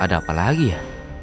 ada apa lagi ya